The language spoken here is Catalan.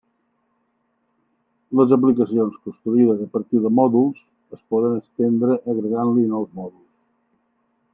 Les aplicacions construïdes a partir de mòduls es poden estendre agregant-li nous mòduls.